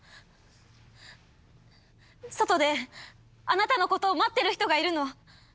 外であなたのことを待ってる人がいるの。